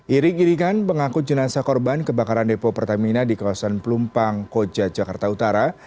irik irikan pengakut jenazah korban kebakaran depo pertamina di kawasan pelumpang koja jakarta utara